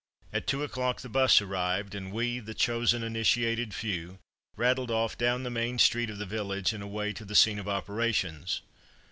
At two o'clock the bus arrived, and we, the chosen initiated few, rattled off down the main street of the village and away to the scene of operations.